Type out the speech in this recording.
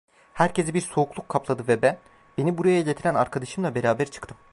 Herkesi bir soğukluk kapladı ve ben, beni buraya getiren arkadaşımla beraber çıktım.